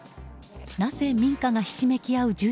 なぜ民家がひしめき合う